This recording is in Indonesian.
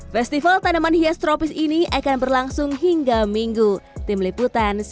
festival tanaman hias tropis ini akan berlangsung hingga minggu